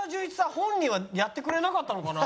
本人はやってくれなかったのかな？